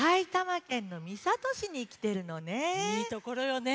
いいところよね。